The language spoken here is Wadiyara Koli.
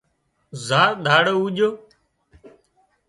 زار ۮاڙو اُوڄو